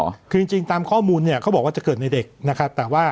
คือจริงจริงตามข้อมูลเนี่ยเขาบอกว่าจะเกิดในเด็กนะครับแต่ว่า